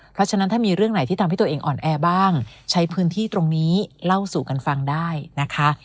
เพราะฉะนั้นถ้ามีเรื่องไหนที่ทำให้ตัวเองอ่อนแอบ้างใช้พื้นที่ตรงนี้เล่าสู่กันฟังได้นะคะ